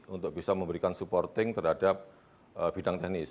untuk bisa memberikan supporting terhadap bidang teknis